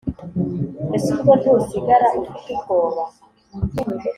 Ese ubwo ntusigara ufite ubwoba